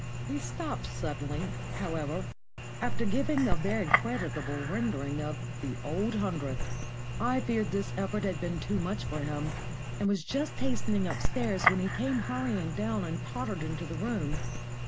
He stopped suddenly, however, after giving a very creditable rendering of the "Old Hundredth." I feared this effort had been too much for him, and was just hastening upstairs when he came hurrying down and tottered into the room.